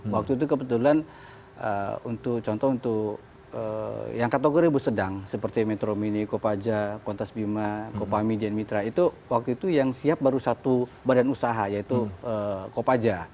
waktu itu kebetulan untuk contoh untuk yang kategori bus sedang seperti metro mini kopaja kontes bima kopami din mitra itu waktu itu yang siap baru satu badan usaha yaitu kopaja